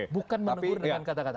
bukan menegur dengan kata kata